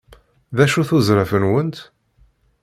D acu-t uzraf-nwent?